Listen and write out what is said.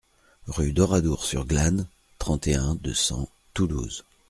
Rue d'Oradour sur Glane, trente et un, deux cents Toulouse